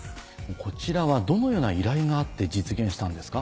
こちらはどのような依頼があって実現したんですか？